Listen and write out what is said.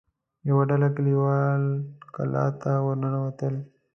يوه ډله کليوال کلا ته ور ننوتل.